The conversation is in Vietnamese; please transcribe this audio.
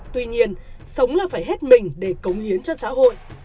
tuy nhiên sống là phải hết mình để cống hiến cho xã hội